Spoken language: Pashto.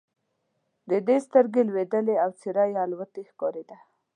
د ده سترګې لوېدلې او څېره یې الوتې ښکارېده.